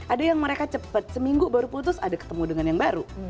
ada yang mereka cepet seminggu baru putus ada ketemu dengan yang baru